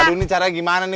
aduh ini caranya gimana nih